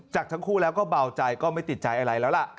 จากทั้งคู่แล้วก็เบาใจก็ไม่ติดใจอะไรแล้วล่ะ